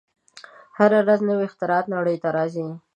هره ورځ نوې اختراعات نړۍ ته راځي.